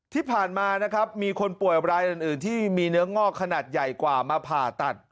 ที่ผ่านมานะครับมีคนป่วยรายอื่นที่มีเนื้องอกขนาดใหญ่กว่ามาผ่าตัด